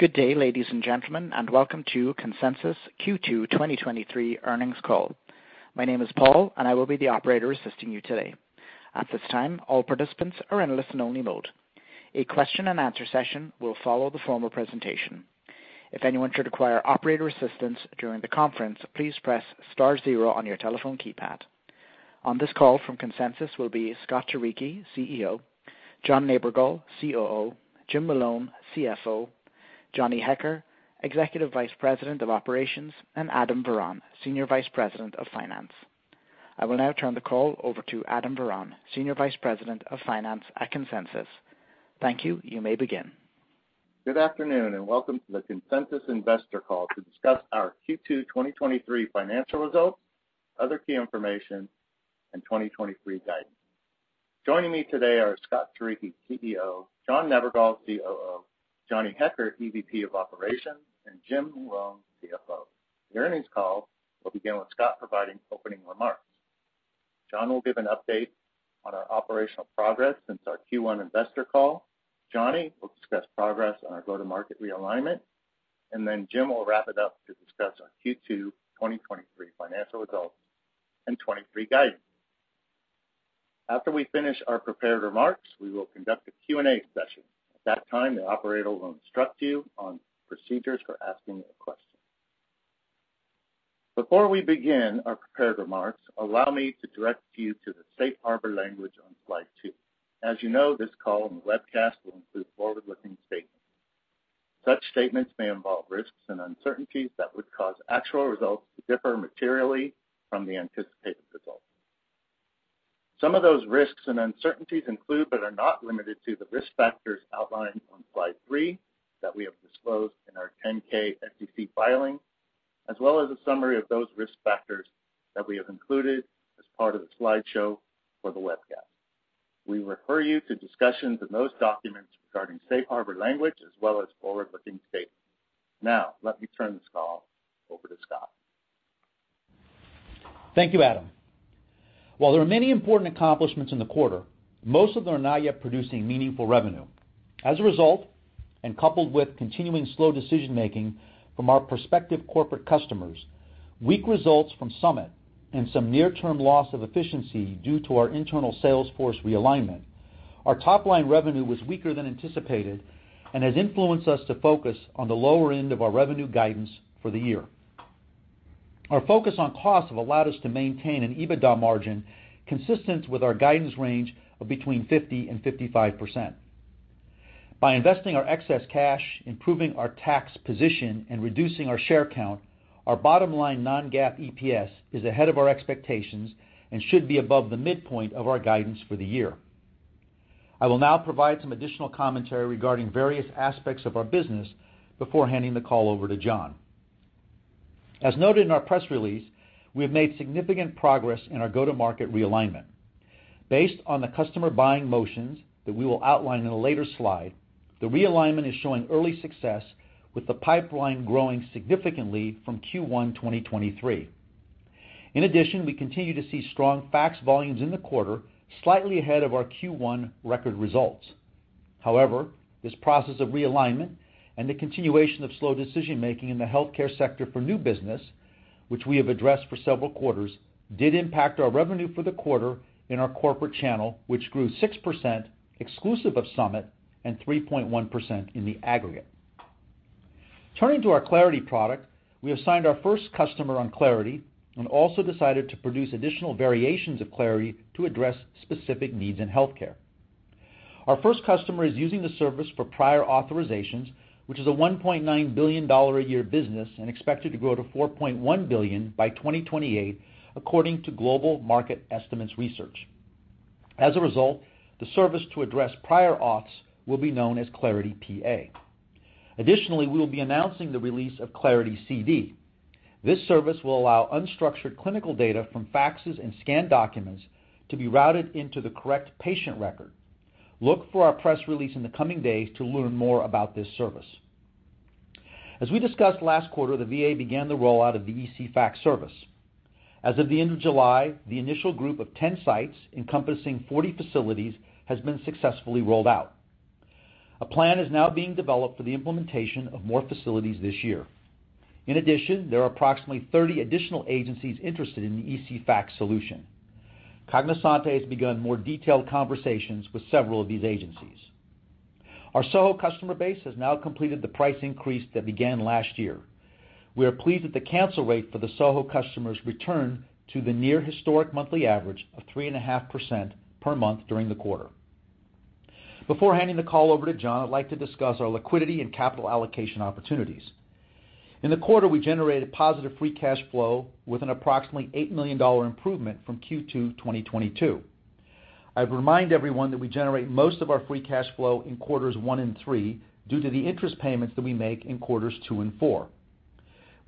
Good day, ladies and gentlemen, welcome to Consensus Cloud Solutions Q2 2023 Earnings Call. My name is Paul, I will be the operator assisting you today. At this time, all participants are in a listen-only mode. A question-and-answer session will follow the formal presentation. If anyone should require operator assistance during the conference, please press star zero on your telephone keypad. On this call from Consensus Cloud Solutions will be Scott Turicchi, CEO; John Nebergall, COO; James Malone, CFO; Johnny Hecker, Executive Vice President of Operations; and Adam Varon, Senior Vice President of Finance. I will now turn the call over to Adam Varon, Senior Vice President of Finance at Consensus Cloud Solutions. Thank you. You may begin. Good afternoon, welcome to the Consensus Cloud Solutions Investor Call to discuss our Q2 2023 Financial Results, other key information, and 2023 guidance. Joining me today are Scott Turicchi, CEO; John Nebergall, COO; Johnny Hecker, EVP of Operations; and James Malone, CFO. The earnings call will begin with Scott providing opening remarks. John will give an update on our operational progress since our Q1 investor call. Johnny will discuss progress on our go-to-market realignment, then James will wrap it up to discuss our Q2 2023 financial results and 2023 guidance. After we finish our prepared remarks, we will conduct a Q&A session. At that time, the operator will instruct you on procedures for asking a question. Before we begin our prepared remarks, allow me to direct you to the safe harbor language on Slide 2. As you know, this call and the webcast will include forward-looking statements. Such statements may involve risks and uncertainties that would cause actual results to differ materially from the anticipated results. Some of those risks and uncertainties include, but are not limited to, the risk factors outlined on Slide 3, that we have disclosed in our 10-K SEC filing, as well as a summary of those risk factors that we have included as part of the slideshow for the webcast. We refer you to discussions in those documents regarding safe harbor language as well as forward-looking statements. Let me turn this call over to Scott. Thank you, Adam. While there are many important accomplishments in the quarter, most of them are not yet producing meaningful revenue. As a result, and coupled with continuing slow decision-making from our prospective corporate customers, weak results from Summit, and some near-term loss of efficiency due to our internal sales force realignment, our top-line revenue was weaker than anticipated and has influenced us to focus on the lower end of our revenue guidance for the year. Our focus on costs have allowed us to maintain an EBITDA margin consistent with our guidance range of between 50%-55%. By investing our excess cash, improving our tax position, and reducing our share count, our bottom-line non-GAAP EPS is ahead of our expectations and should be above the midpoint of our guidance for the year. I will now provide some additional commentary regarding various aspects of our business before handing the call over to John. As noted in our press release, we have made significant progress in our go-to-market realignment. Based on the customer buying motions that we will outline in a later slide, the realignment is showing early success, with the pipeline growing significantly from Q1 2023. We continue to see strong fax volumes in the quarter, slightly ahead of our Q1 record results. However, this process of realignment and the continuation of slow decision-making in the healthcare sector for new business, which we have addressed for several quarters, did impact our revenue for the quarter in our corporate channel, which grew 6% exclusive of Summit and 3.1% in the aggregate. Turning to our Clarity product, we have signed our first customer on Clarity and also decided to produce additional variations of Clarity to address specific needs in healthcare. Our first customer is using the service for prior authorizations, which is a $1.9 billion a year business and expected to grow to $4.1 billion by 2028, according to Global Market Estimates Research. As a result, the service to address prior auths will be known as Clarity PA. Additionally, we will be announcing the release of Clarity CD. This service will allow unstructured clinical data from faxes and scanned documents to be routed into the correct patient record. Look for our press release in the coming days to learn more about this service. As we discussed last quarter, the VA began the rollout of the EC Fax service. As of the end of July, the initial group of 10 sites encompassing 40 facilities has been successfully rolled out. A plan is now being developed for the implementation of more facilities this year. There are approximately 30 additional agencies interested in the EC FAX solution. Cognosante has begun more detailed conversations with several of these agencies. Our Soho customer base has now completed the price increase that began last year. We are pleased that the cancel rate for the Soho customers returned to the near historic monthly average of 3.5% per month during the quarter. Before handing the call over to John, I'd like to discuss our liquidity and capital allocation opportunities. In the quarter, we generated positive free cash flow with an approximately $8 million improvement from Q2 2022. I'd remind everyone that we generate most of our free cash flow in quarters 1 and 3 due to the interest payments that we make in quarters 2 and 4.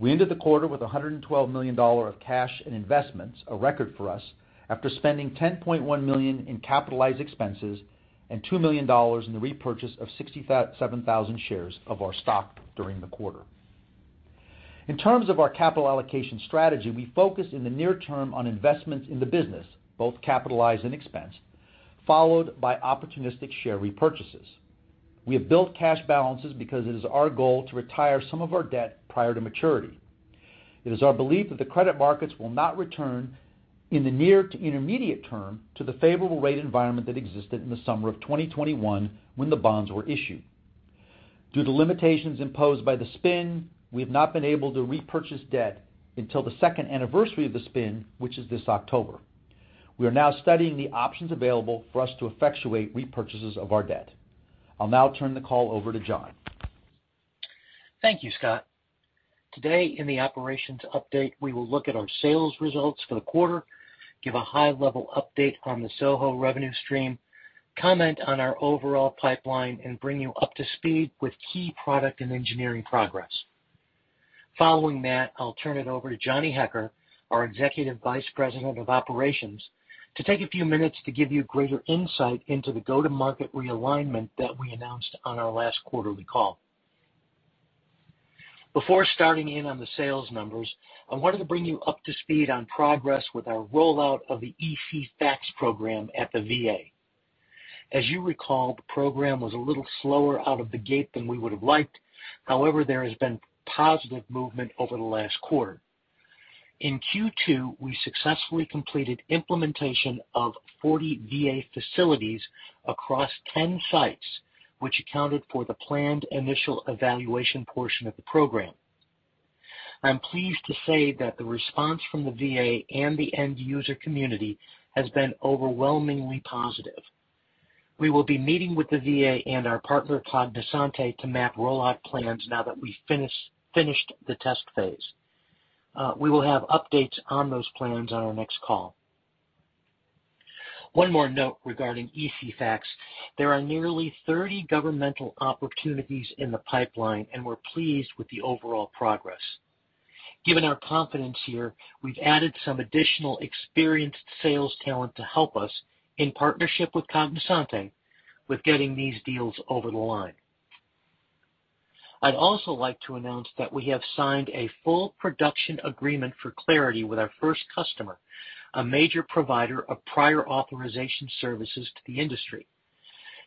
We ended the quarter with $112 million of cash and investments, a record for us, after spending $10.1 million in capitalized expenses and $2 million in the repurchase of 67,000 shares of our stock during the quarter. In terms of our capital allocation strategy, we focus in the near term on investments in the business, both capitalized and expensed, followed by opportunistic share repurchases. We have built cash balances because it is our goal to retire some of our debt prior to maturity. It is our belief that the credit markets will not return in the near to intermediate term to the favorable rate environment that existed in the summer of 2021, when the bonds were issued. Due to limitations imposed by the spin, we have not been able to repurchase debt until the second anniversary of the spin, which is this October. We are now studying the options available for us to effectuate repurchases of our debt. I'll now turn the call over to John. Thank you, Scott. Today, in the operations update, we will look at our sales results for the quarter, give a high-level update on the Soho revenue stream, comment on our overall pipeline, and bring you up to speed with key product and engineering progress. Following that, I'll turn it over to Johnny Hecker, our Executive Vice President of Operations, to take a few minutes to give you greater insight into the go-to-market realignment that we announced on our last quarterly call. Before starting in on the sales numbers, I wanted to bring you up to speed on progress with our rollout of the EC FAXs program at the VA. As you recall, the program was a little slower out of the gate than we would have liked. However, there has been positive movement over the last quarter. In Q2, we successfully completed implementation of 40 VA facilities across 10 sites, which accounted for the planned initial evaluation portion of the program. I'm pleased to say that the response from the VA and the end user community has been overwhelmingly positive. We will be meeting with the VA and our partner, Cognosante, to map rollout plans now that we finished the test phase. We will have updates on those plans on our next call. One more note regarding EC FAXs. There are nearly 30 governmental opportunities in the pipeline, and we're pleased with the overall progress. Given our confidence here, we've added some additional experienced sales talent to help us, in partnership with Cognosante, with getting these deals over the line. I'd also like to announce that we have signed a full production agreement for Clarity with our first customer, a major provider of prior authorization services to the industry.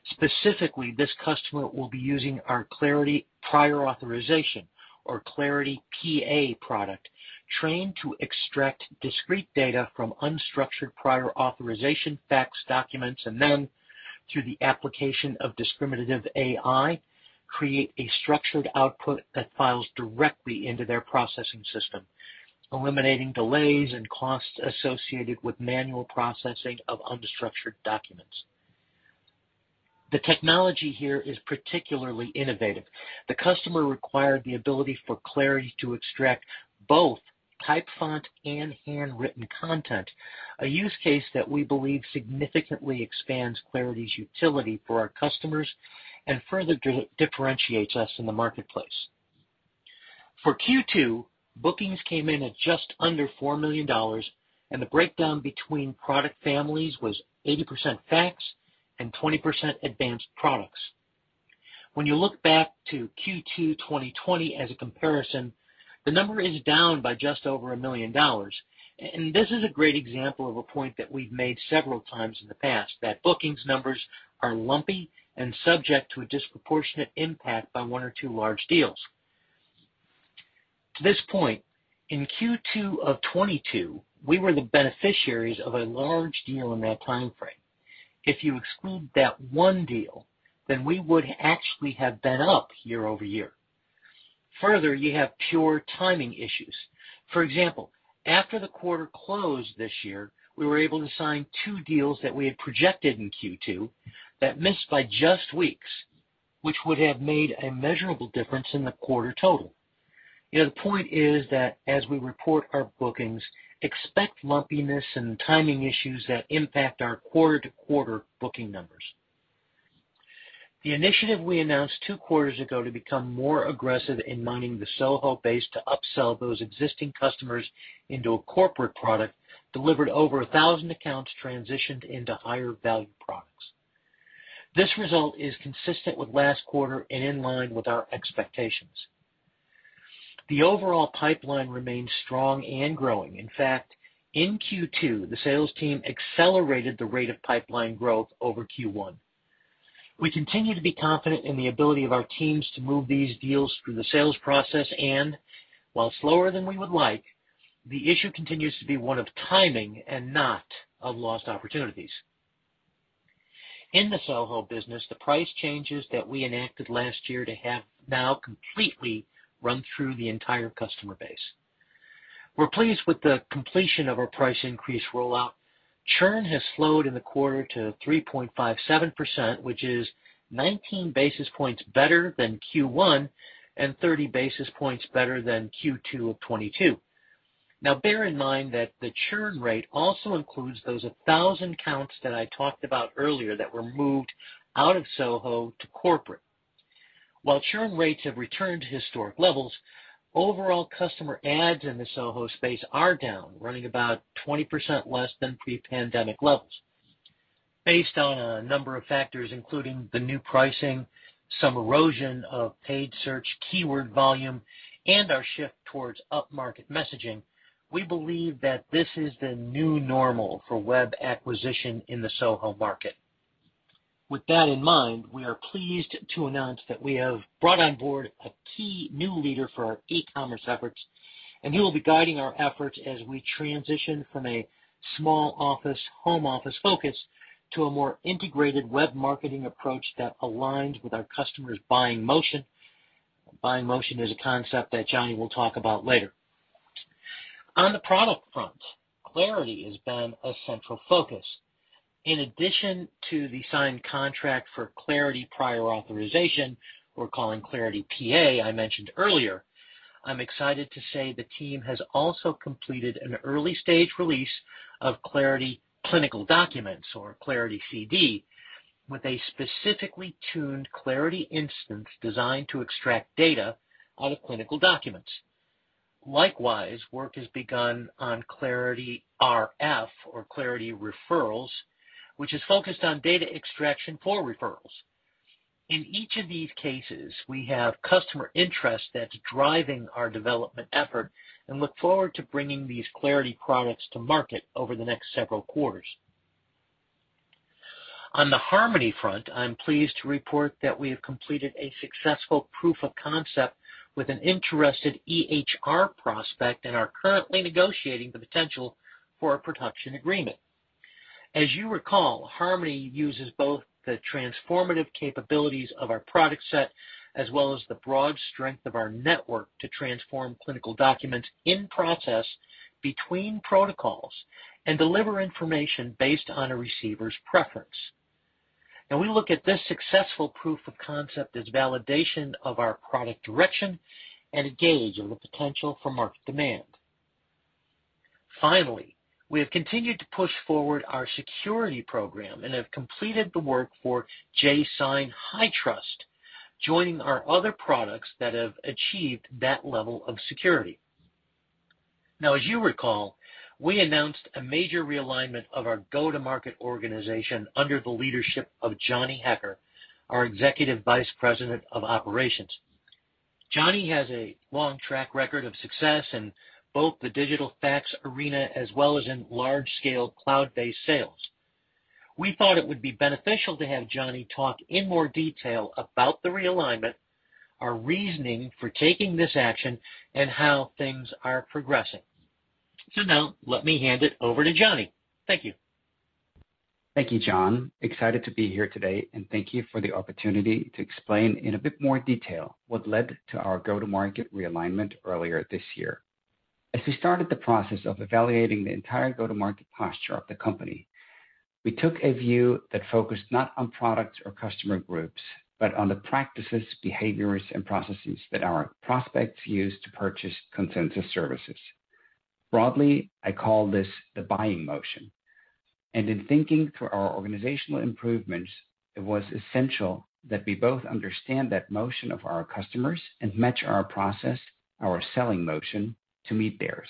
Specifically, this customer will be using our Clarity Prior Authorization, or Clarity PA product, trained to extract discrete data from unstructured prior authorization facts, documents, and then, through the application of discriminative AI, create a structured output that files directly into their processing system, eliminating delays and costs associated with manual processing of unstructured documents. The technology here is particularly innovative. The customer required the ability for Clarity to extract both type, font, and handwritten content, a use case that we believe significantly expands Clarity's utility for our customers and further differentiates us in the marketplace. For Q2, bookings came in at just under $4 million. The breakdown between product families was 80% fax and 20% advanced products. When you look back to Q2 2020 as a comparison, the number is down by just over $1 million. This is a great example of a point that we've made several times in the past, that bookings numbers are lumpy and subject to a disproportionate impact by one or two large deals. To this point, in Q2 of 2022, we were the beneficiaries of a large deal in that time frame. If you exclude that one deal, then we would actually have been up year-over-year. Further, you have pure timing issues. For example, after the quarter closed this year, we were able to sign two deals that we had projected in Q2 that missed by just weeks, which would have made a measurable difference in the quarter total. The point is that as we report our bookings, expect lumpiness and timing issues that impact our quarter-to-quarter booking numbers. The initiative we announced two quarters ago to become more aggressive in mining the Soho base to upsell those existing customers into a corporate product delivered over 1,000 accounts transitioned into higher-value products. This result is consistent with last quarter and in line with our expectations. The overall pipeline remains strong and growing. In fact, in Q2, the sales team accelerated the rate of pipeline growth over Q1. We continue to be confident in the ability of our teams to move these deals through the sales process, and while slower than we would like, the issue continues to be one of timing and not of lost opportunities. In the Soho business, the price changes that we enacted last year to have now completely run through the entire customer base. We're pleased with the completion of our price increase rollout. Churn has slowed in the quarter to 3.57%, which is 19 basis points better than Q1 and 30 basis points better than Q2 of 2022. Bear in mind that the churn rate also includes those 1,000 accounts that I talked about earlier that were moved out of Soho to corporate. While churn rates have returned to historic levels, overall customer adds in the Soho space are down, running about 20% less than pre-pandemic levels. Based on a number of factors, including the new pricing, some erosion of paid search, keyword volume, and our shift towards upmarket messaging, we believe that this is the new normal for web acquisition in the Soho market. With that in mind, we are pleased to announce that we have brought on board a key new leader for our e-commerce efforts, and he will be guiding our efforts as we transition from a small office, home office focus, to a more integrated web marketing approach that aligns with our customers' buying motion. Buying motion is a concept that Johnny will talk about later. On the product front, Clarity has been a central focus. In addition to the signed contract for Clarity Prior Authorization, we're calling Clarity PA, I mentioned earlier, I'm excited to say the team has also completed an early-stage release of Clarity Clinical Documents or Clarity CD, with a specifically tuned Clarity instance designed to extract data out of clinical documents. Likewise, work has begun on Clarity RF or Clarity Referrals, which is focused on data extraction for referrals. In each of these cases, we have customer interest that's driving our development effort and look forward to bringing these Clarity products to market over the next several quarters. On the Harmony front, I'm pleased to report that we have completed a successful proof of concept with an interested EHR prospect and are currently negotiating the potential for a production agreement. As you recall, Harmony uses both the transformative capabilities of our product set, as well as the broad strength of our network to transform clinical documents in process between protocols and deliver information based on a receiver's preference. We look at this successful proof of concept as validation of our product direction and a gauge of the potential for market demand. Finally, we have continued to push forward our security program and have completed the work for JSign HITRUST, joining our other products that have achieved that level of security. As you recall, we announced a major realignment of our go-to-market organization under the leadership of Johnny Hecker, our Executive Vice President of Operations. Johnny has a long track record of success in both the digital fax arena as well as in large-scale cloud-based sales. We thought it would be beneficial to have Johnny talk in more detail about the realignment, our reasoning for taking this action, and how things are progressing. Now let me hand it over to Johnny. Thank you. Thank you, John. Excited to be here today, and thank you for the opportunity to explain in a bit more detail what led to our go-to-market realignment earlier this year. As we started the process of evaluating the entire go-to-market posture of the company, we took a view that focused not on products or customer groups, but on the practices, behaviors, and processes that our prospects use to purchase Consensus services. Broadly, I call this the buying motion, and in thinking through our organizational improvements, it was essential that we both understand that motion of our customers and match our process, our selling motion, to meet theirs.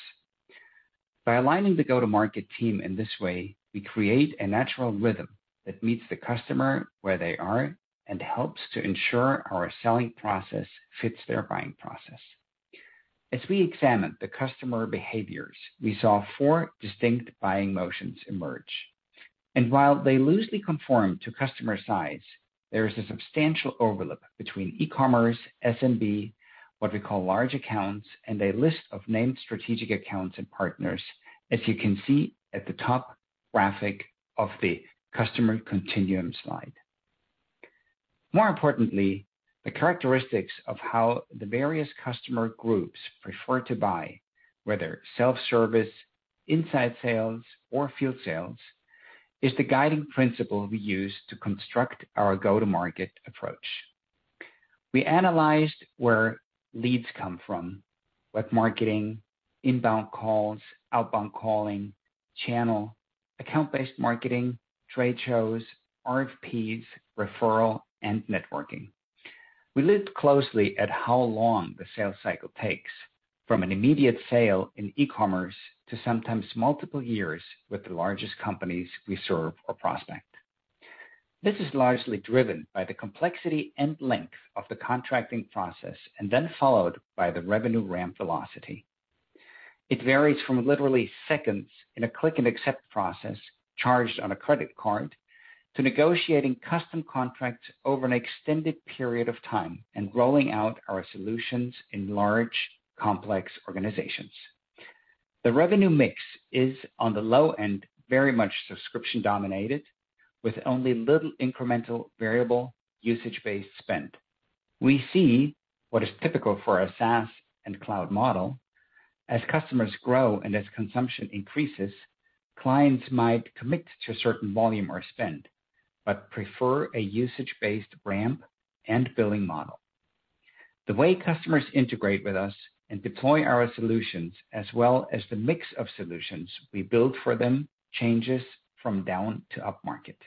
By aligning the go-to-market team in this way, we create a natural rhythm that meets the customer where they are and helps to ensure our selling process fits their buying process. As we examined the customer behaviors, we saw four distinct buying motions emerge, and while they loosely conform to customer size, there is a substantial overlap between e-commerce, SMB, what we call large accounts, and a list of named strategic accounts and partners, as you can see at the top graphic of the Customer Continuum slide. More importantly, the characteristics of how the various customer groups prefer to buy, whether self-service, inside sales or field sales, is the guiding principle we use to construct our go-to-market approach. We analyzed where leads come from, web marketing, inbound calls, outbound calling, channel, account-based marketing, trade shows, RFPs, referral, and networking. We looked closely at how long the sales cycle takes, from an immediate sale in e-commerce to sometimes multiple years with the largest companies we serve or prospect. This is largely driven by the complexity and length of the contracting process and then followed by the revenue ramp velocity. It varies from literally seconds in a click and accept process, charged on a credit card, to negotiating custom contracts over an extended period of time and rolling out our solutions in large, complex organizations. The revenue mix is, on the low end, very much subscription-dominated, with only little incremental variable usage-based spend. We see what is typical for a SaaS and cloud model. As customers grow and as consumption increases, clients might commit to a certain volume or spend, but prefer a usage-based ramp and billing model. The way customers integrate with us and deploy our solutions, as well as the mix of solutions we build for them, changes from down to upmarket.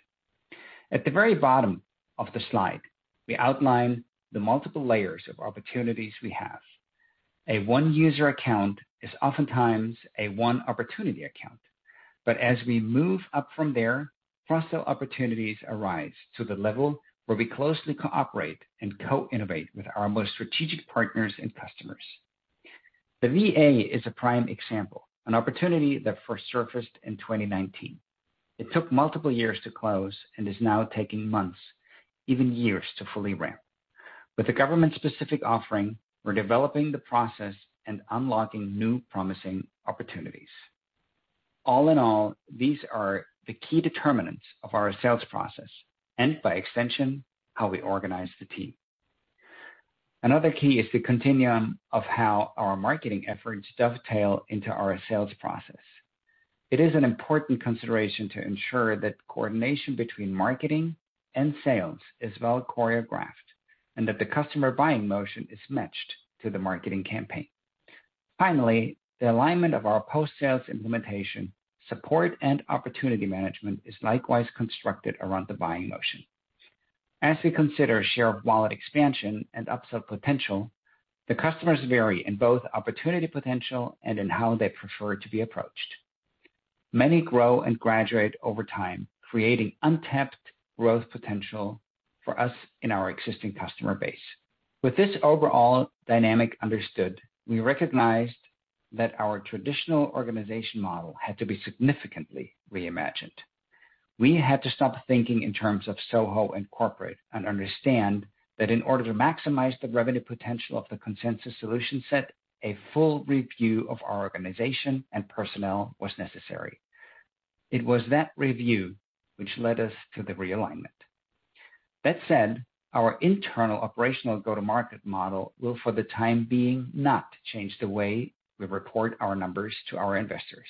At the very bottom of the slide, we outline the multiple layers of opportunities we have.... A one-user account is oftentimes a one-opportunity account. As we move up from there, cross-sell opportunities arise to the level where we closely cooperate and co-innovate with our most strategic partners and customers. The VA is a prime example, an opportunity that first surfaced in 2019. It took multiple years to close and is now taking months, even years, to fully ramp. With a government-specific offering, we're developing the process and unlocking new promising opportunities. All in all, these are the key determinants of our sales process, and by extension, how we organize the team. Another key is the continuum of how our marketing efforts dovetail into our sales process. It is an important consideration to ensure that coordination between marketing and sales is well choreographed, and that the customer buying motion is matched to the marketing campaign. Finally, the alignment of our post-sales implementation, support, and opportunity management is likewise constructed around the buying motion. As we consider share of wallet expansion and upsell potential, the customers vary in both opportunity potential and in how they prefer to be approached. Many grow and graduate over time, creating untapped growth potential for us in our existing customer base. With this overall dynamic understood, we recognized that our traditional organization model had to be significantly reimagined. We had to stop thinking in terms of Soho and corporate, and understand that in order to maximize the revenue potential of the Consensus solution set, a full review of our organization and personnel was necessary. It was that review which led us to the realignment. That said, our internal operational go-to-market model will, for the time being, not change the way we report our numbers to our investors.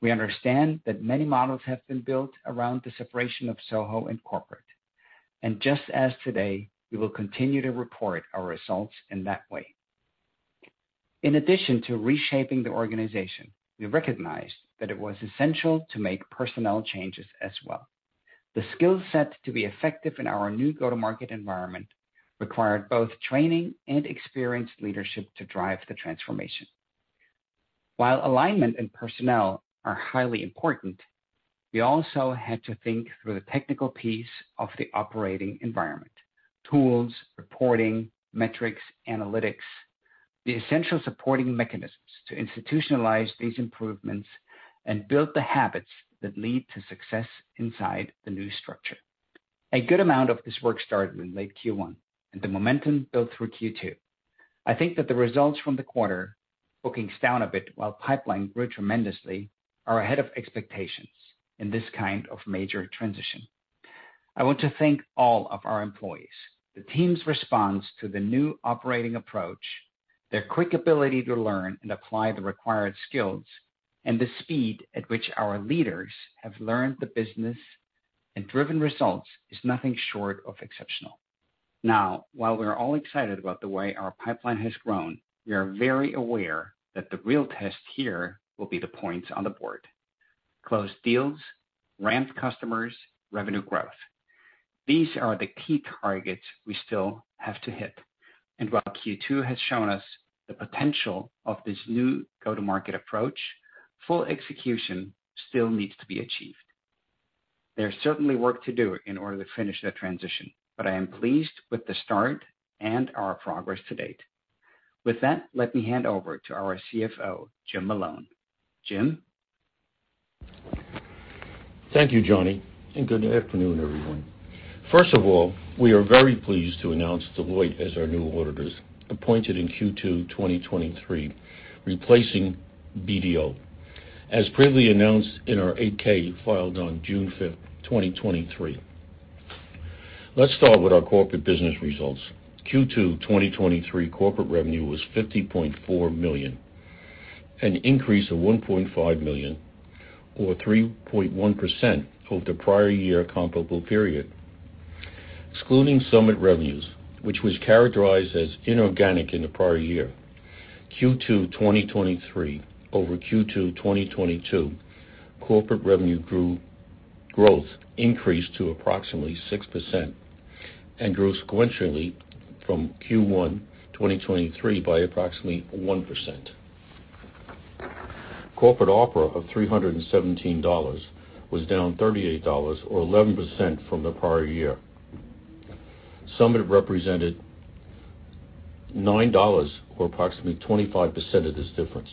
We understand that many models have been built around the separation of Soho and corporate, and just as today, we will continue to report our results in that way. In addition to reshaping the organization, we recognized that it was essential to make personnel changes as well. The skill set to be effective in our new go-to-market environment required both training and experienced leadership to drive the transformation. While alignment and personnel are highly important, we also had to think through the technical piece of the operating environment: tools, reporting, metrics, analytics, the essential supporting mechanisms to institutionalize these improvements and build the habits that lead to success inside the new structure. A good amount of this work started in late Q1, and the momentum built through Q2. I think that the results from the quarter, bookings down a bit while pipeline grew tremendously, are ahead of expectations in this kind of major transition. I want to thank all of our employees. The team's response to the new operating approach, their quick ability to learn and apply the required skills, and the speed at which our leaders have learned the business and driven results, is nothing short of exceptional. Now, while we're all excited about the way our pipeline has grown, we are very aware that the real test here will be the points on the board. Closed deals, ramped customers, revenue growth. These are the key targets we still have to hit, and while Q2 has shown us the potential of this new go-to-market approach, full execution still needs to be achieved. There's certainly work to do in order to finish the transition, but I am pleased with the start and our progress to date. With that, let me hand over to our CFO, James Malone. Jim? Thank you, Johnny. Good afternoon, everyone. First of all, we are very pleased to announce Deloitte as our new auditors, appointed in Q2 2023, replacing BDO, as previously announced in our 8-K, filed on June 5, 2023. Let's start with our corporate business results. Q2 2023 corporate revenue was $50.4 million, an increase of $1.5 million, or 3.1% over the prior-year comparable period. Excluding Summit revenues, which was characterized as inorganic in the prior year, Q2 2023 over Q2 2022 corporate revenue growth increased to approximately 6% and grew sequentially from Q1 2023 by approximately 1%. Corporate opera of $317 was down $38, or 11%, from the prior year. Summit represented $9, or approximately 25% of this difference.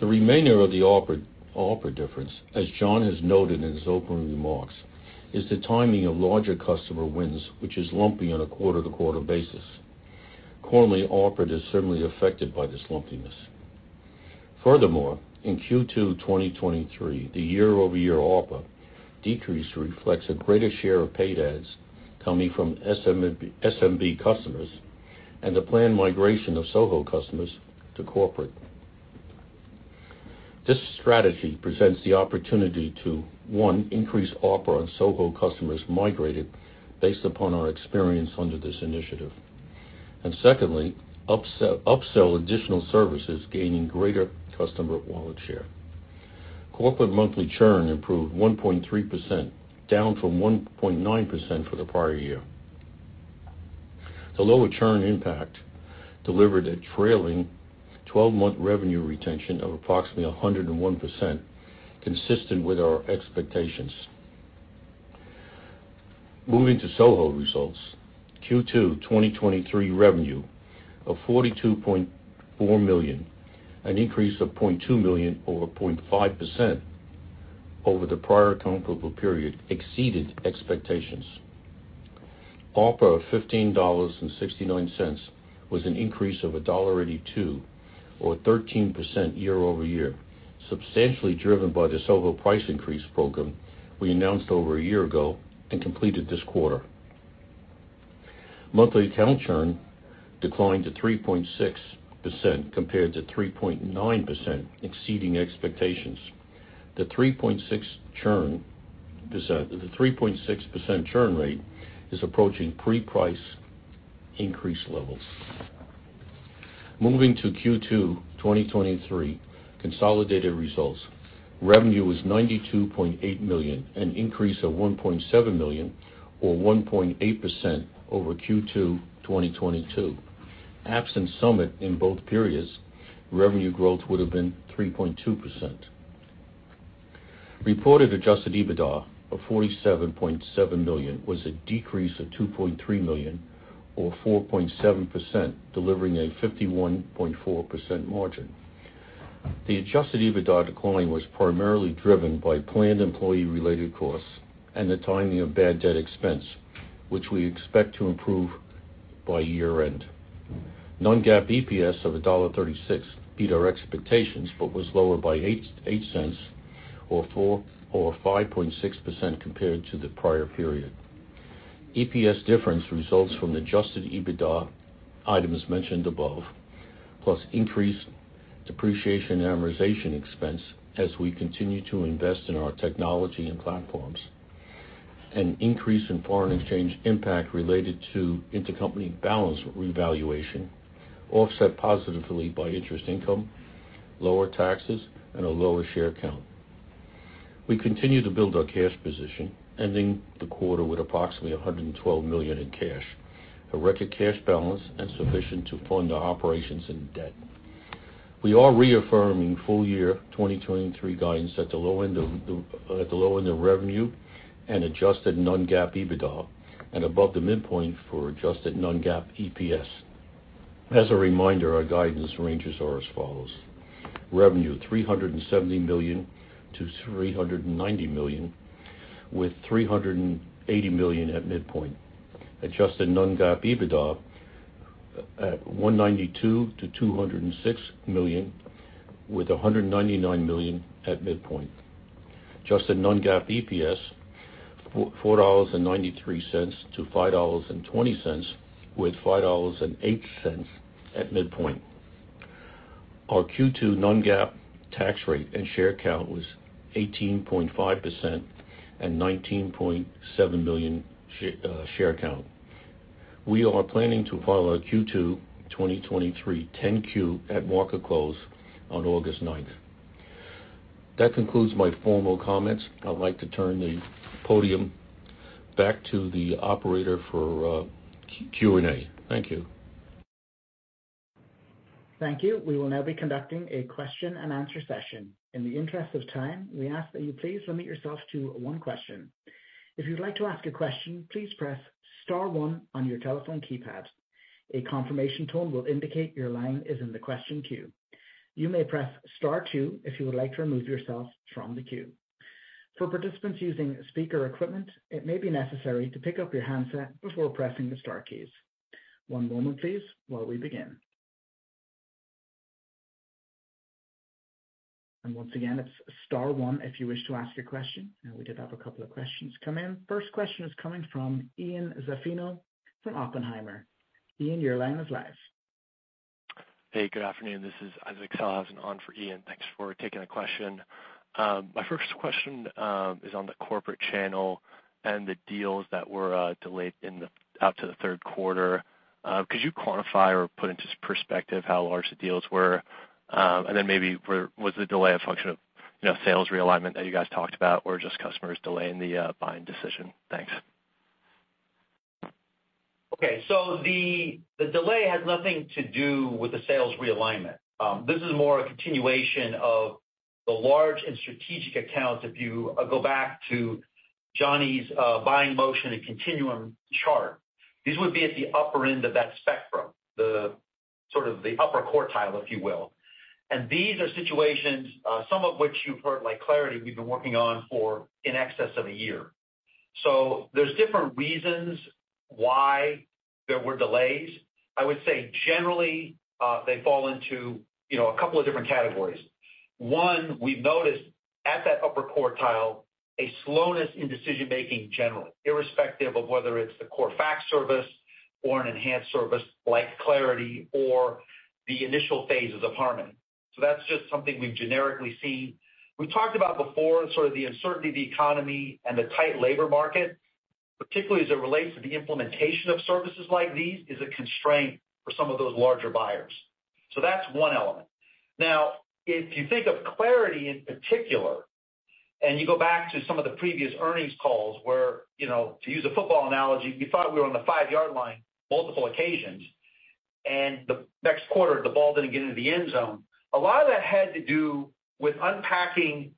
The remainder of the opera difference, as John has noted in his opening remarks, is the timing of larger customer wins, which is lumpy on a quarter-to-quarter basis. Quarterly opera is certainly affected by this lumpiness. Furthermore, in Q2 2023, the year-over-year opera decrease reflects a greater share of paid ads coming from SMB customers and the planned migration of Soho customers to corporate. This strategy presents the opportunity to, 1, increase opera on Soho customers migrated based upon our experience under this initiative, and secondly, upsell additional services, gaining greater customer wallet share. Corporate monthly churn improved 1.3%, down from 1.9% for the prior year. The lower churn impact delivered a trailing twelve-month revenue retention of approximately 101%, consistent with our expectations. Moving to Soho results, Q2 2023 revenue of $42.4 million, an increase of $0.2 million or 0.5% over the prior comparable period, exceeded expectations. ARPA of $15.69 was an increase of $1.82, or 13% year-over-year, substantially driven by the Soho price increase program we announced over a year ago and completed this quarter. Monthly account churn declined to 3.6%, compared to 3.9%, exceeding expectations. The 3.6% churn rate is approaching pre-price increase levels. Moving to Q2 2023 consolidated results, revenue was $92.8 million, an increase of $1.7 million, or 1.8% over Q2 2022. Absent Summit in both periods, revenue growth would have been 3.2%. Reported adjusted EBITDA of $47.7 million was a decrease of $2.3 million, or 4.7%, delivering a 51.4% margin. The adjusted EBITDA decline was primarily driven by planned employee-related costs and the timing of bad debt expense, which we expect to improve by year-end. Non-GAAP EPS of $1.36 beat our expectations, but was lower by $0.08 or 5.6% compared to the prior period. EPS difference results from adjusted EBITDA items mentioned above, plus increased depreciation and amortization expense as we continue to invest in our technology and platforms. An increase in foreign exchange impact related to intercompany balance revaluation, offset positively by interest income, lower taxes, and a lower share count. We continue to build our cash position, ending the quarter with approximately $112 million in cash, a record cash balance and sufficient to fund our operations and debt. We are reaffirming full year 2023 guidance at the low end of the at the low end of revenue and adjusted non-GAAP EBITDA, and above the midpoint for adjusted non-GAAP EPS. As a reminder, our guidance ranges are as follows: revenue, $370 million-$390 million, with $380 million at midpoint. Adjusted non-GAAP EBITDA at $192 million-$206 million, with $199 million at midpoint. Adjusted non-GAAP EPS, $4.93-$5.20, with $5.08 at midpoint. Our Q2 non-GAAP tax rate and share count was 18.5% and 19.7 million share count. We are planning to file our Q2 2023 10-Q at market close on August 9th. That concludes my formal comments. I'd like to turn the podium back to the operator for Q&A. Thank you. Thank you. We will now be conducting a question and answer session. In the interest of time, we ask that you please limit yourself to 1 question. If you'd like to ask a question, please press star one on your telephone keypad. A confirmation tone will indicate your line is in the question queue. You may press star two if you would like to remove yourself from the queue. For participants using speaker equipment, it may be necessary to pick up your handset before pressing the star keys. 1 moment please while we begin. Once again, it's star one if you wish to ask a question. We did have a couple of questions come in. First question is coming from Ian Zaffino from Oppenheimer. Ian, your line is live. Hey, good afternoon. This is Isaac Kalazan on for Ian. Thanks for taking the question. My first question is on the corporate channel and the deals that were delayed out to the third quarter. Could you quantify or put into perspective how large the deals were? Then maybe was the delay a function of, you know, sales realignment that you guys talked about or just customers delaying the buying decision? Thanks. Okay, the, the delay has nothing to do with the sales realignment. This is more a continuation of the large and strategic accounts. If you go back to Johnny's buying motion and continuum chart, these would be at the upper end of that spectrum, the sort of the upper quartile, if you will. These are situations, some of which you've heard, like Clarity, we've been working on for in excess of a year. There's different reasons why there were delays. I would say generally, they fall into, you know, a couple of different categories. One, we've noticed at that upper quartile, a slowness in decision-making generally, irrespective of whether it's the core fax service or an enhanced service like Clarity or the initial phases of Harmony. That's just something we've generically seen. We've talked about before, sort of the uncertainty of the economy and the tight labor market, particularly as it relates to the implementation of services like these, is a constraint for some of those larger buyers. That's one element. If you think of Clarity in particular, and you go back to some of the previous earnings calls where, you know, to use a football analogy, we thought we were on the 5-yard line, multiple occasions, and the next quarter, the ball didn't get into the end zone. A lot of that had to do with unpacking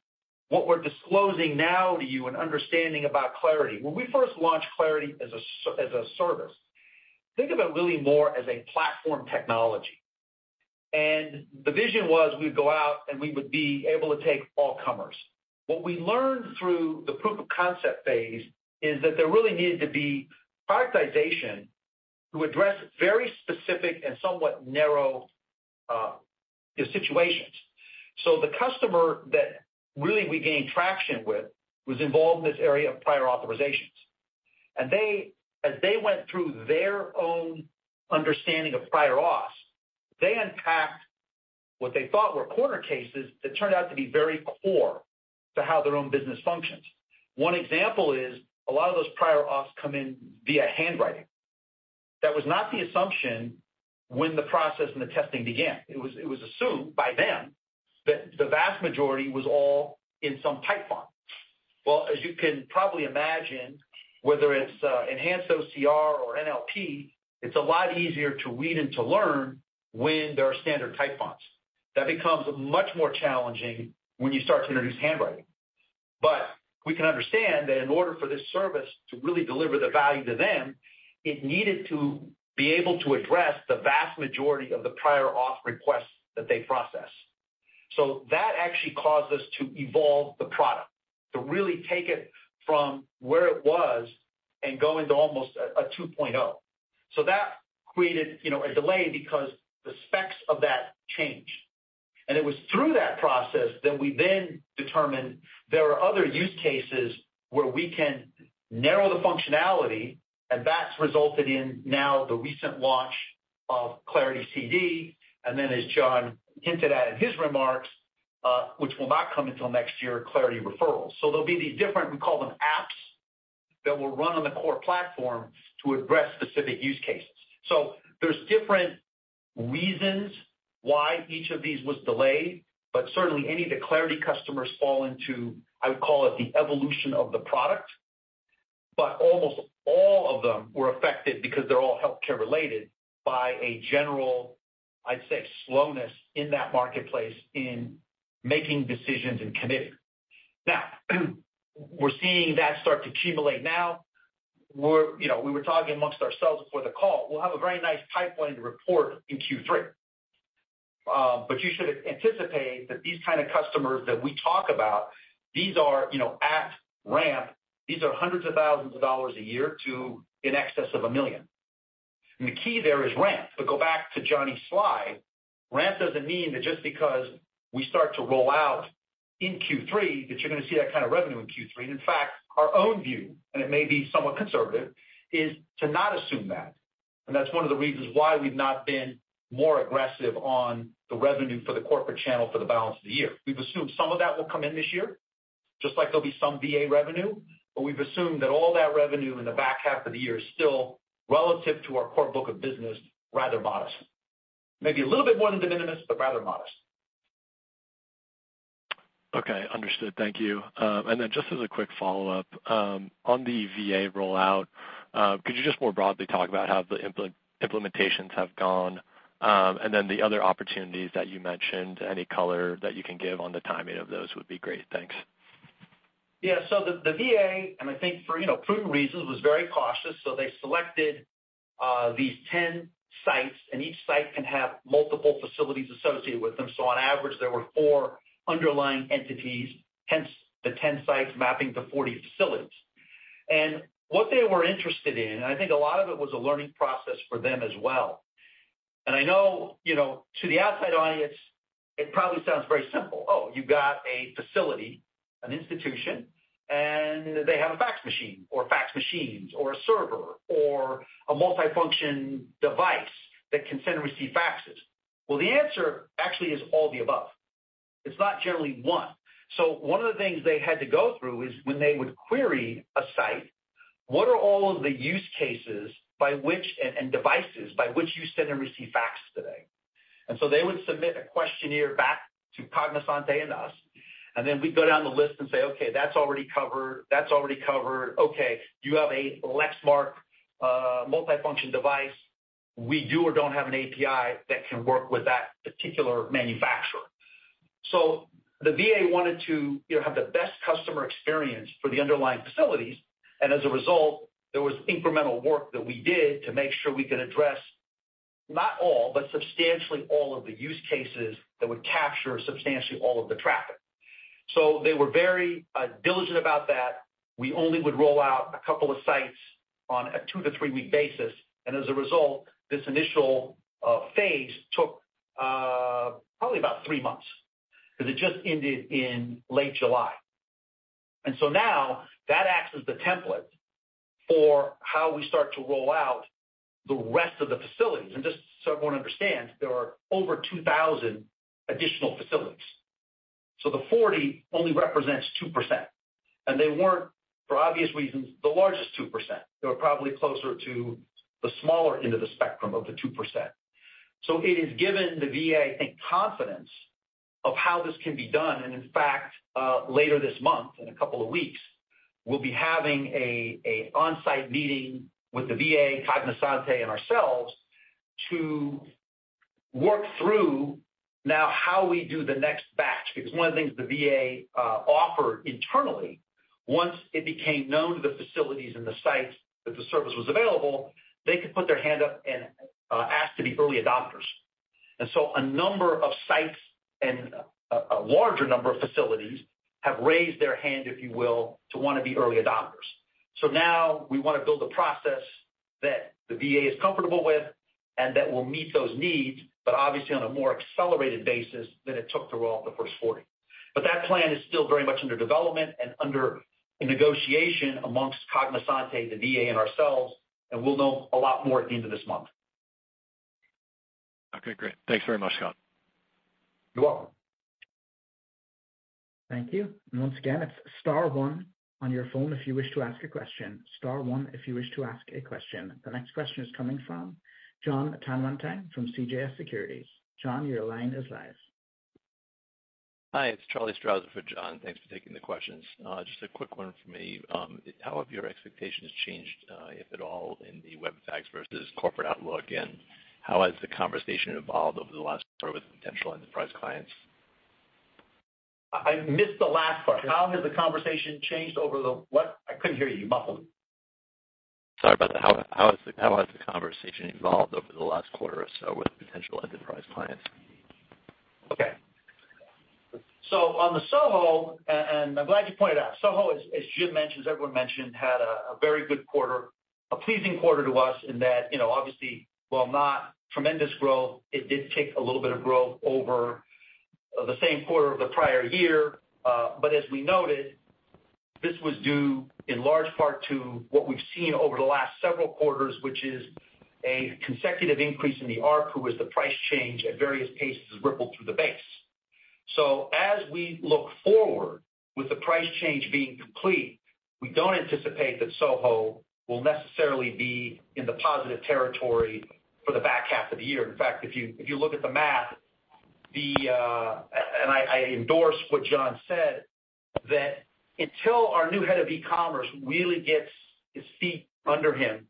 what we're disclosing now to you and understanding about Clarity. When we first launched Clarity as a service, think of it really more as a platform technology. The vision was we'd go out, and we would be able to take all comers. What we learned through the proof of concept phase is that there really needed to be prioritization to address very specific and somewhat narrow situations. The customer that really we gained traction with was involved in this area of prior authorizations. As they went through their own understanding of prior auth, they unpacked what they thought were corner cases that turned out to be very core to how their own business functions. One example is a lot of those prior auth come in via handwriting. That was not the assumption when the process and the testing began. It was, it was assumed by them that the vast majority was all in some type font. As you can probably imagine, whether it's enhanced OCR or NLP, it's a lot easier to read and to learn when there are standard type fonts. That becomes much more challenging when you start to introduce handwriting. We can understand that in order for this service to really deliver the value to them, it needed to be able to address the vast majority of the prior auth requests that they process. That actually caused us to evolve the product, to really take it from where it was and go into almost a, a 2.0. That created, you know, a delay because the specs of that changed. It was through that process that we then determined there are other use cases where we can narrow the functionality, and that's resulted in now the recent launch of Clarity CD, and then as John hinted at in his remarks, which will not come until next year, Clarity Referrals. There'll be these different, we call them apps, that will run on the core platform to address specific use cases. There's different reasons why each of these was delayed, but certainly any of the Clarity customers fall into, I would call it, the evolution of the product, but almost all of them were affected because they're all healthcare related by a general, I'd say, slowness in that marketplace in making decisions and committing. We're seeing that start to accumulate now. We're, you know, we were talking amongst ourselves before the call. We'll have a very nice pipeline to report in Q3. You should anticipate that these kind of customers that we talk about, these are, you know, at ramp, these are hundreds of thousands of dollars a year to in excess of $1 million. The key there is ramp. To go back to Johnny's slide, ramp doesn't mean that just because we start to roll out in Q3, that you're gonna see that kind of revenue in Q3. In fact, our own view, and it may be somewhat conservative, is to not assume that. That's one of the reasons why we've not been more aggressive on the revenue for the corporate channel for the balance of the year. We've assumed some of that will come in this year, just like there'll be some VA revenue, but we've assumed that all that revenue in the back half of the year is still relative to our core book of business, rather modest. Maybe a little bit more than de minimis, but rather modest. Okay, understood. Thank you. Then just as a quick follow-up, on the VA rollout, could you just more broadly talk about how the imple- implementations have gone, and then the other opportunities that you mentioned, any color that you can give on the timing of those would be great. Thanks. Yeah. The, the VA, and I think for, you know, proven reasons, was very cautious. They selected these 10 sites, and each site can have multiple facilities associated with them. On average, there were 4 underlying entities, hence the 10 sites mapping to 40 facilities. What they were interested in, I think a lot of it was a learning process for them as well. I know, you know, to the outside audience, it probably sounds very simple. Oh, you got a facility, an institution, and they have a fax machine or fax machines or a server or a multifunction device that can send and receive faxes. Well, the answer actually is all the above. It's not generally one. One of the things they had to go through is when they would query a site, what are all of the use cases by which and, and devices, by which you send and receive fax today? They would submit a questionnaire back to Cognosante and us, and then we'd go down the list and say, "Okay, that's already covered. That's already covered. Okay, do you have a Lexmark multifunction device? We do or don't have an API that can work with that particular manufacturer." The VA wanted to, you know, have the best customer experience for the underlying facilities, and as a result, there was incremental work that we did to make sure we could address not all, but substantially all of the use cases that would capture substantially all of the traffic. They were very diligent about that. We only would roll out a couple of sites on a 2 to 3-week basis, and as a result, this initial phase took probably about 3 months, because it just ended in late July. Now that acts as the template for how we start to roll out the rest of the facilities. Just so everyone understands, there are over 2,000 additional facilities. The 40 only represents 2%, and they weren't, for obvious reasons, the largest 2%. They were probably closer to the smaller end of the spectrum of the 2%. It has given the VA, I think, confidence of how this can be done, and in fact, later this month, in a couple of weeks, we'll be having a on-site meeting with the VA, Cognosante, and ourselves to work through now how we do the next batch. Because one of the things the VA offered internally, once it became known to the facilities and the sites that the service was available, they could put their hand up and ask to be early adopters. A number of sites and a, a larger number of facilities have raised their hand, if you will, to want to be early adopters. Now we wanna build a process that the VA is comfortable with and that will meet those needs, but obviously on a more accelerated basis than it took to roll out the first 40. That plan is still very much under development and under negotiation amongst Cognosante, the VA, and ourselves, and we'll know a lot more at the end of this month. Okay, great. Thanks very much, Scott. You're welcome. Thank you. Once again, it's star 1 on your phone if you wish to ask a question. Star 1 if you wish to ask a question. The next question is coming from John Tanwanteng from CJS Securities. John, your line is live. Hi, it's Charlie Strauser for John. Thanks for taking the questions. Just a quick one from me. How have your expectations changed, if at all, in the web fax versus corporate outlook, and how has the conversation evolved over the last quarter with potential enterprise clients? I missed the last part. How has the conversation changed over the what? I couldn't hear you. You muffled. Sorry about that. How, how has the, how has the conversation evolved over the last quarter or so with potential enterprise clients? Okay. On the Soho, and I'm glad you pointed out, Soho, as Jim mentioned, as everyone mentioned, had a very good quarter, a pleasing quarter to us in that, you know, obviously, while not tremendous growth, it did take a little bit of growth over the same quarter of the prior year. As we noted, this was due in large part to what we've seen over the last several quarters, which is a consecutive increase in the ARPU, as the price change at various cases has rippled through the base. As we look forward with the price change being complete, we don't anticipate that Soho will necessarily be in the positive territory for the back half of the year. In fact, if you look at the math, the... I, I endorse what John said, that until our new head of e-commerce really gets his feet under him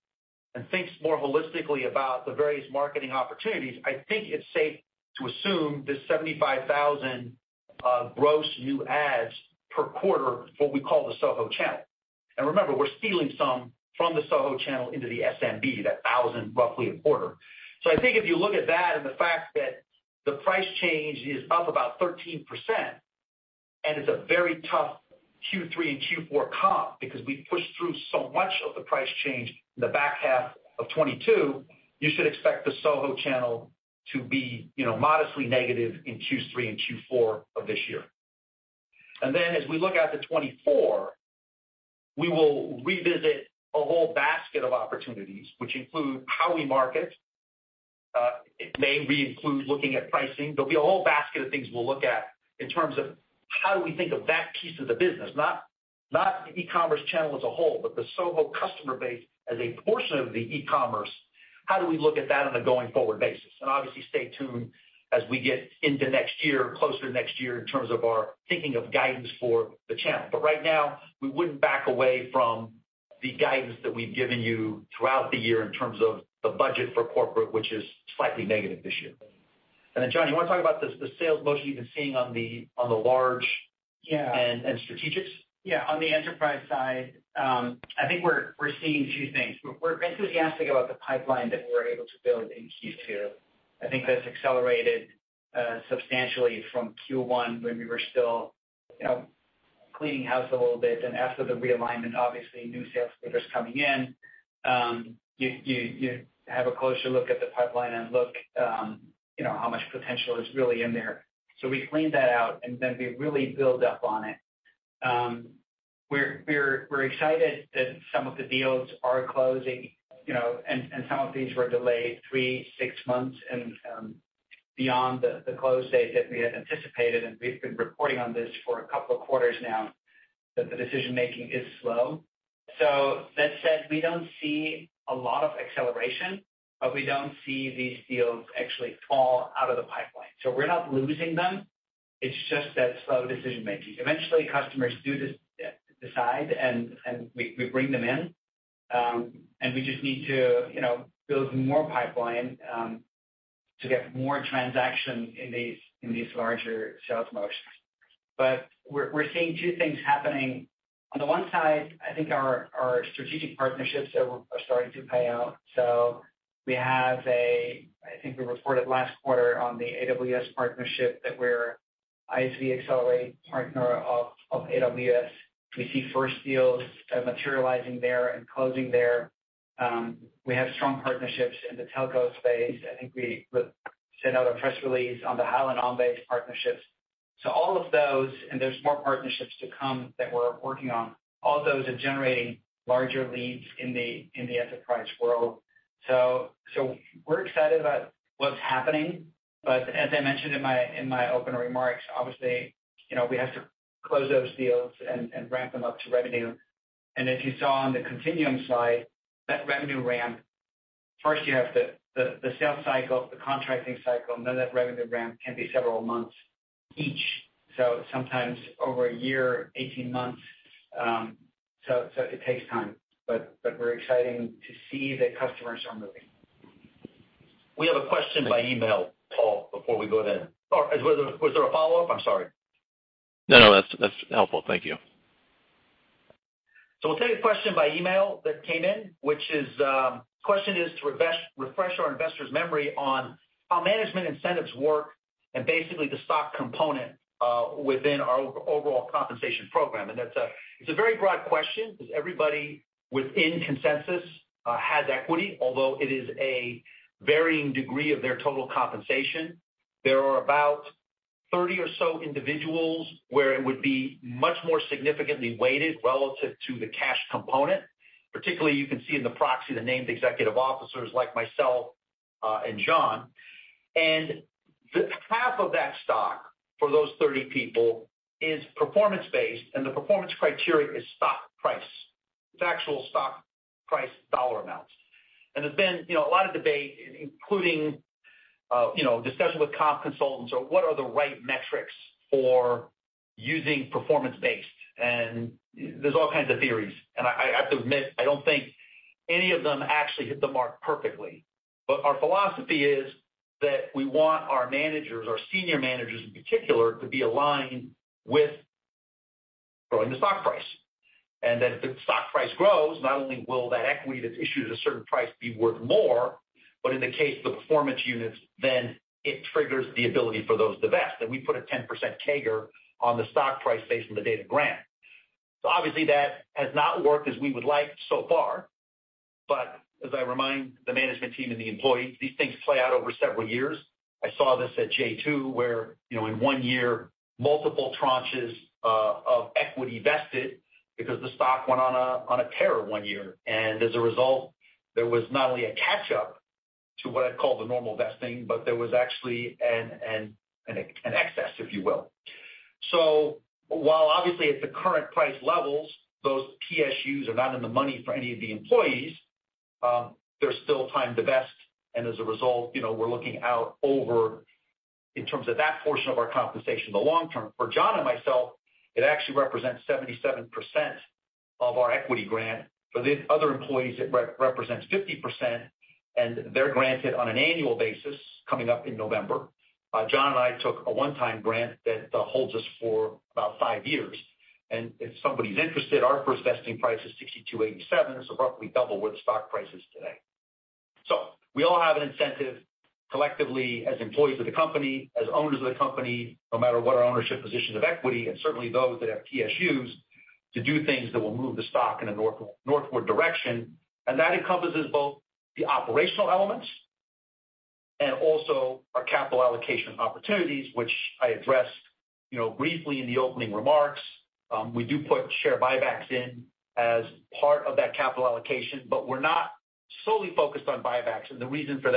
and thinks more holistically about the various marketing opportunities, I think it's safe to assume this 75,000 gross new ads per quarter, what we call the Soho channel. Remember, we're stealing some from the Soho channel into the SMB, that 1,000, roughly a quarter. I think if you look at that and the fact that the price change is up about 13%, and it's a very tough Q3 and Q4 comp, because we pushed through so much of the price change in the back half of 2022, you should expect the Soho channel to be, you know, modestly negative in Q3 and Q4 of this year. As we look out to 2024, we will revisit a whole basket of opportunities, which include how we market. It may reinclude looking at pricing. There'll be a whole basket of things we'll look at in terms of how do we think of that piece of the business, not, not the e-commerce channel as a whole, but the SOHO customer base as a portion of the e-commerce. How do we look at that on a going-forward basis? Obviously, stay tuned as we get into next year, closer to next year, in terms of our thinking of guidance for the channel. Right now, we wouldn't back away from the guidance that we've given you throughout the year in terms of the budget for corporate, which is slightly negative this year. John, you want to talk about the, the sales motion you've been seeing on the, on the large-. Yeah. Strategics? Yeah, on the enterprise side, I think we're, we're seeing two things. We're, we're enthusiastic about the pipeline that we were able to build in Q2. I think that's accelerated substantially from Q1, when we were still, you know, cleaning house a little bit. After the realignment, obviously, new sales leaders coming in, you, you, you have a closer look at the pipeline and look, you know, how much potential is really in there. We cleaned that out, and then we really build up on it. We're, we're, we're excited that some of the deals are closing, you know, some of these were delayed 3, 6 months and beyond the, the close date that we had anticipated, and we've been reporting on this for a couple of quarters now, that the decision making is slow. That said, we don't see a lot of acceleration, but we don't see these deals actually fall out of the pipeline. We're not losing them, it's just that slow decision making. Eventually, customers do decide, and we, we bring them in, and we just need to, you know, build more pipeline to get more transaction in these, in these larger sales motions. We're, we're seeing two things happening. On the one side, I think our, our strategic partnerships are, are starting to pay out. We have a I think we reported last quarter on the AWS partnership that we're ISV Accelerate partner of, of AWS. We see first deals materializing there and closing there. We have strong partnerships in the telco space. I think we sent out a press release on the Highland OnBase partnerships. All of those, and there's more partnerships to come that we're working on, all those are generating larger leads in the, in the enterprise world. So we're excited about what's happening, but as I mentioned in my, in my opening remarks, obviously, you know, we have to close those deals and, and ramp them up to revenue. As you saw on the continuum side, that revenue ramp, first you have the, the sales cycle, the contracting cycle, and then that revenue ramp can be several months each, so sometimes over 1 year 18 months. so it takes time, but, but we're exciting to see that customers are moving. We have a question by email, Paul, before we go then. Was there, was there a follow-up? I'm sorry. No, no, that's, that's helpful. Thank you. We'll take a question by email that came in, which is, question is to refresh, refresh our investors' memory on how management incentives work and basically the stock component within our overall compensation program. That's it's a very broad question because everybody within Consensus has equity, although it is a varying degree of their total compensation. There are about 30 or so individuals where it would be much more significantly weighted relative to the cash component. Particularly, you can see in the proxy, the named executive officers like myself, and John. The half of that stock for those 30 people is performance-based, and the performance criteria is stock price. It's actual stock price dollar amounts. There's been, you know, a lot of debate, including, you know, discussion with comp consultants or what are the right metrics for using performance-based. There's all kinds of theories, and I, I have to admit, I don't think any of them actually hit the mark perfectly. Our philosophy is that we want our managers, our senior managers in particular, to be aligned with growing the stock price. That if the stock price grows, not only will that equity that's issued at a certain price be worth more, but in the case of the performance units, then it triggers the ability for those to vest. We put a 10% CAGR on the stock price based on the date of grant. Obviously, that has not worked as we would like so far, but as I remind the management team and the employees, these things play out over several years. I saw this at J2, where, you know, in 1 year, multiple tranches of equity vested because the stock went on a, on a tear 1 year. As a result, there was not only a catch-up to what I'd call the normal vesting, but there was actually an excess, if you will. While obviously at the current price levels, those PSUs are not in the money for any of the employees, there's still time to vest, and as a result, you know, we're looking out over in terms of that portion of our compensation in the long term. For John and myself, it actually represents 77% of our equity grant. For the other employees, it represents 50%, and they're granted on an annual basis coming up in November. John and I took a one-time grant that holds us for about five years. If somebody's interested, our first vesting price is $62.87, so roughly double where the stock price is today. We all have an incentive collectively as employees of the company, as owners of the company, no matter what our ownership position of equity, and certainly those that have PSUs, to do things that will move the stock in a northward direction. That encompasses both the operational elements and also our capital allocation opportunities, which I addressed, you know, briefly in the opening remarks. We do put share buybacks in as part of that capital allocation, but we're not solely focused on buybacks. The reason for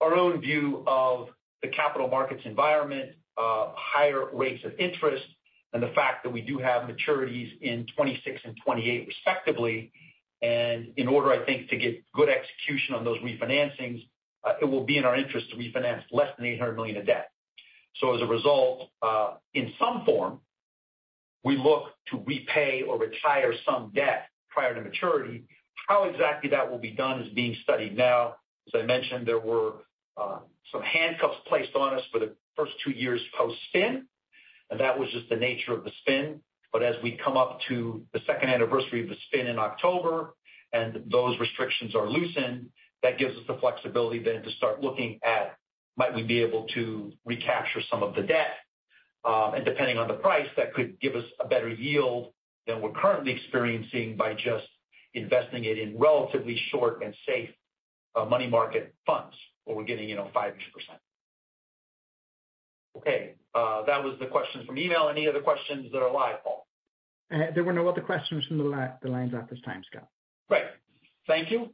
that is our own view of the capital markets environment, higher rates of interest, and the fact that we do have maturities in 26 and 28 respectively. In order, I think, to get good execution on those refinancings, it will be in our interest to refinance less than $800 million in debt. As a result, in some form, we look to repay or retire some debt prior to maturity. How exactly that will be done is being studied now. As I mentioned, there were some handcuffs placed on us for the first 2 years post-spin, and that was just the nature of the spin. As we come up to the second anniversary of the spin in October, and those restrictions are loosened, that gives us the flexibility then to start looking at, might we be able to recapture some of the debt? Depending on the price, that could give us a better yield than we're currently experiencing by just investing it in relatively short and safe money market funds, where we're getting, you know, five-ish %. Okay, that was the question from email. Any other questions that are live, Paul? There were no other questions from the lines at this time, Scott. Great. Thank you.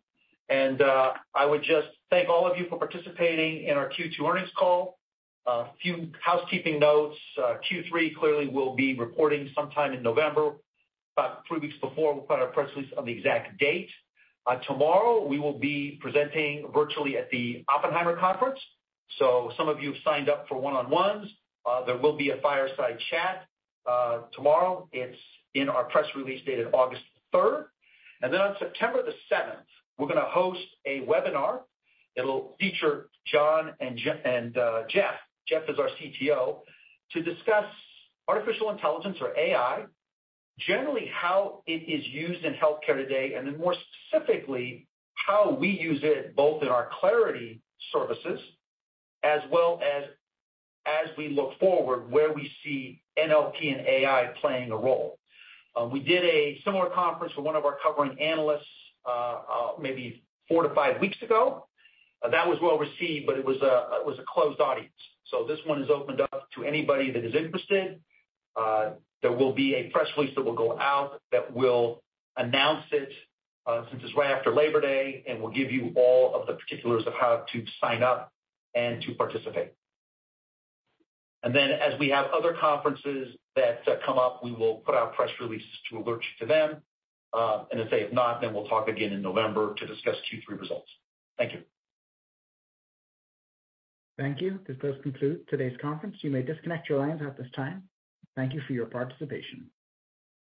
I would just thank all of you for participating in our Q2 earnings call. A few housekeeping notes. Q3 clearly will be reporting sometime in November. About 3 weeks before, we'll put out a press release on the exact date. Tomorrow, we will be presenting virtually at the Oppenheimer conference. Some of you have signed up for one-on-ones. There will be a fireside chat tomorrow. It's in our press release date of August 3. On September 7, we're gonna host a webinar. It'll feature John and Jeff, Jeff is our CTO, to discuss artificial intelligence or AI, generally how it is used in healthcare today, and then more specifically, how we use it both in our Clarity services, as well as, as we look forward, where we see NLP and AI playing a role. We did a similar conference with one of our covering analysts, maybe 4 to 5 weeks ago. That was well received, but it was a, it was a closed audience. This one is opened up to anybody that is interested. There will be a press release that will go out that will announce it, since it's right after Labor Day, and we'll give you all of the particulars of how to sign up and to participate. As we have other conferences that come up, we will put out press releases to alert you to them. If they have not, then we'll talk again in November to discuss Q3 results. Thank you. Thank you. This does conclude today's conference. You may disconnect your lines at this time. Thank you for your participation.